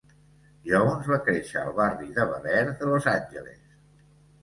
Jones va créixer al barri de Bel Air de Los Angeles.